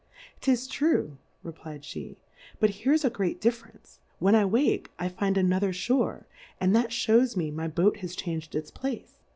'Tis true, replfdjhe^ but here's a great Diiference, when I wake I find another Shoar, and that fiiows me, my Boat has chang'd its Place.